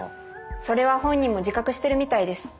それは本人も自覚してるみたいです。